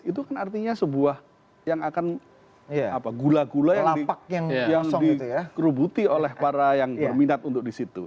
itu kan artinya sebuah yang akan gula gula yang lapak yang dikerubuti oleh para yang berminat untuk di situ